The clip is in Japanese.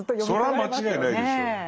それは間違いないでしょう。